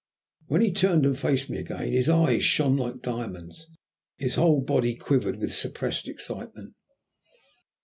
When he turned and faced me again his eyes shone like diamonds, while his body quivered with suppressed excitement.